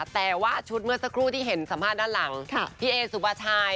แต่ว่าชุดเมื่อสักครู่ที่เห็นสัมภาษณ์ด้านหลังพี่เอสุภาชัย